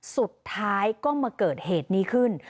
สุดท้ายก็มาเกิดเหตุนี้ขึ้น